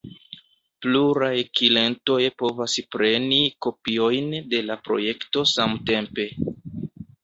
Pluraj klientoj povas preni kopiojn de la projekto samtempe.